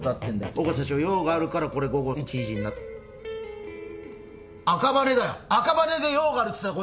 緒方社長用があるからこれ午後１時になっ赤羽だよ赤羽で用があるって言ってたよ